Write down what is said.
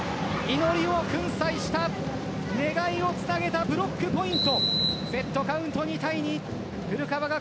祈りを粉砕した願いをつなげたブロックポイント。